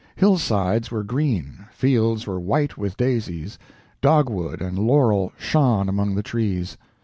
Hillsides were green, fields were white with daisies, dogwood and laurel shone among the trees.